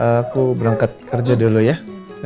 aku berangkat kerja dulu ya